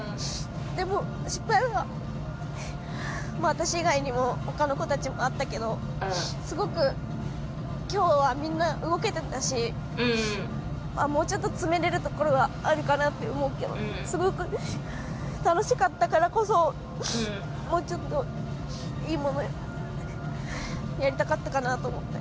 でも、失敗は私以外にも他の子たちもあったけどすごく今日はみんな動けてたしもうちょっと詰めれるところはあるかなって思うけどすごく楽しかったからこそもうちょっといいものをやりたかったかなと思って。